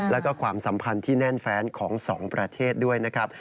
แล้วก็ความสัมพันธ์ที่แน่นแฟนของสองประเทศด้วยนะครับ